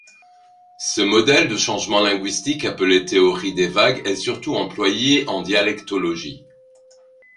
Ce modèle de changement linguistique, appelé théorie des vagues, est surtout employé en dialectologie.